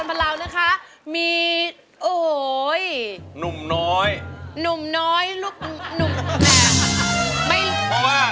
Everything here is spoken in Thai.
แท้พร้าวจากห้าอ้อมกันที่สรร